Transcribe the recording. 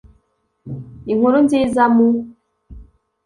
inkuru nziza, mu